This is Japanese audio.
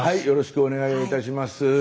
よろしくお願いします。